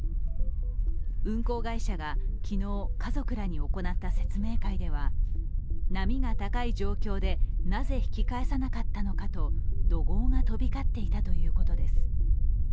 運航会社が昨日、家族らに行った説明会では波が高い状況でなぜ、引き返さなかったのかと怒号が飛び交っていたということです。